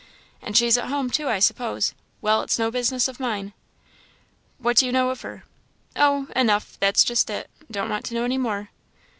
"And she's at home, too, I suppose. Well, it's no business of mine." "What do you know of her?" "Oh, enough that's just it don't want to know any more."